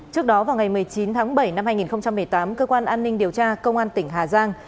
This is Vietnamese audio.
trước đó vào ngày một mươi chín tháng bảy năm hai nghìn một mươi tám cơ quan an ninh điều tra công an tỉnh hà giang